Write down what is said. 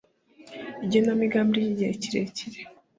igenamigambi ry igihe kirekire